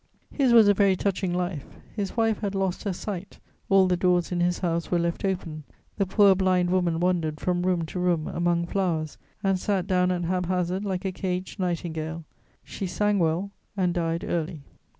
His was a very touching life: his wife had lost her sight; all the doors in his house were left open; the poor blind woman wandered from room to room, among flowers, and sat down at hap hazard, like a caged nightingale: she sang well, and died early.